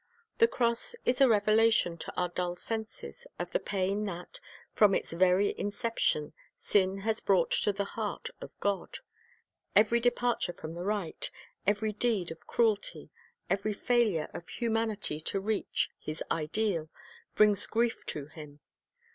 The cross is a revelation to our dull senses of the pain that, from its very in ception, sin has brought to the heart of God. Every departure from the right, every deed of cruelty, every failure of humanity to reach His ideal, brings grief to Him.